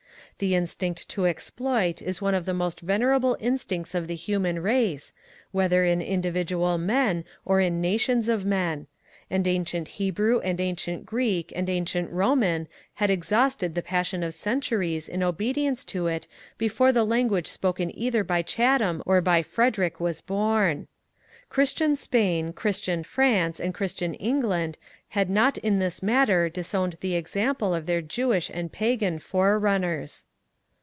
The instinct to exploit is one of the most venerable instincts of the human race, whether in individual men or in nations of men; and ancient Hebrew and ancient Greek and ancient Roman had exhausted the passion of centuries in obedience to it before the language spoken either by Chatham or by Frederick was born. Christian Spain, Christian France, and Christian England had not in this matter disowned the example of their Jewish and Pagan forerunners.